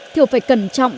thiểu phải cẩn trọng